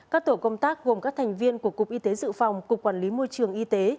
các tổ công tác gồm các thành viên của cục y tế dự phòng cục quản lý môi trường y tế